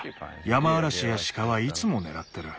ヤマアラシやシカはいつも狙ってる。